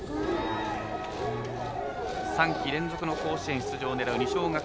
３季連続の甲子園出場を狙う二松学舍。